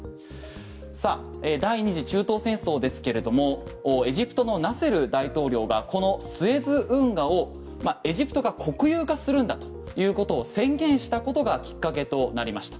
さあ第２次中東戦争ですけれどもエジプトのナセル大統領がこのスエズ運河をエジプトが国有化するんだということを宣言したことがきっかけとなりました。